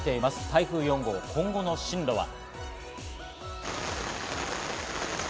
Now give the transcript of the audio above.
台風４号今後の進路は？